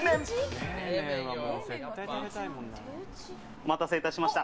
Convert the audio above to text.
お待たせいたしました。